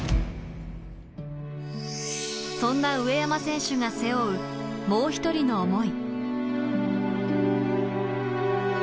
そんな上山選手が背負うもう一人の思い。